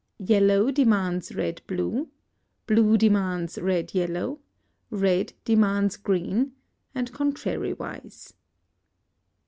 Yellow demands Red blue, Blue demands Red yellow, Red demands Green, and contrariwise.